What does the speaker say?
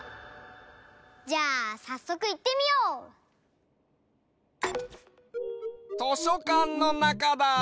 じゃあさっそくいってみよう！としょかんのなかだ！